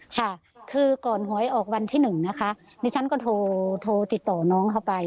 ค่ะคือก่อนหวยออกวันที่๑นะคะดิฉันก็โทรติดต่อน้องเข้าไป